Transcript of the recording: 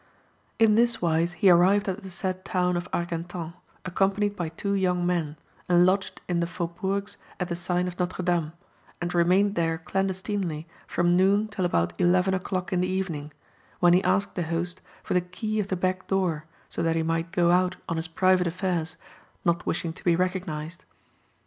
In this wise he arrived at the said town of Argentan, accompanied by two young men, and lodged in the faubourgs at the sign of Notre Dame, and remained there clandestinely from noon till about eleven o'clock in the evening, when he asked the host for the key of the backdoor, so that he might go out on his private affairs, not wishing to be recognised.